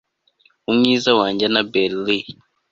Umwiza wanjye Annabel Lee